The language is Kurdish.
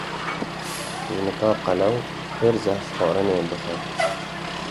jineka qelew pir zehf xwarinê dixwe.